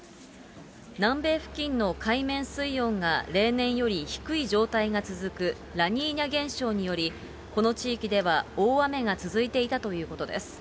南米付近の海面水温が例年より低い状態が続くラニーニャ現象により、この地域では大雨が続いていたということです。